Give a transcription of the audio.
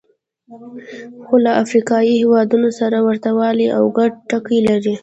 خو له افریقایي هېوادونو سره ورته والی او ګډ ټکي لري.